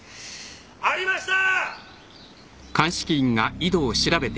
・ありました！